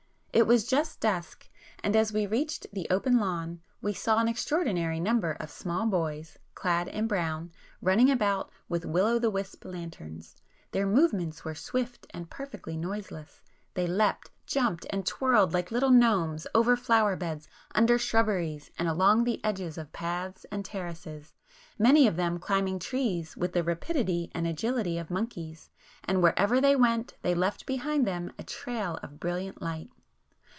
It was just dusk,—and as we reached the open lawn we saw an extraordinary number of small boys, clad in brown, running about with will o' the wisp lanterns. Their movements were swift and perfectly noiseless,—they leaped, jumped and twirled like little gnomes over flowerbeds, under shrubberies, and along the edges of paths and terraces, many of them climbing trees with the rapidity and agility of monkeys, and wherever they went they left behind them a trail of brilliant light.